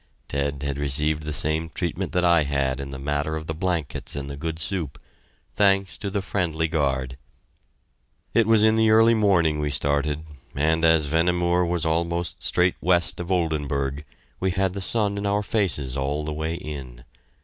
Ted had received the same treatment that I had in the matter of the blankets and the good soup thanks to the friendly guard. It was in the early morning we started, and as Vehnemoor was almost straight west of Oldenburg, we had the sun in our faces all the way in.